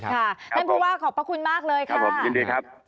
แม่งพูดว่าขอบคุณมากเลยครับ